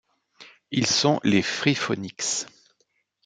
Ils sont les Freefonix.